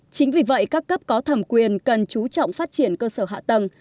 chính vì vậy các cấp có thẩm quyền cần chú trọng phát triển cơ sở hạ tầng